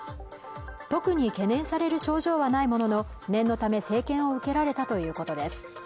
特に懸念される症状はないものの念のため生検を受けられたということです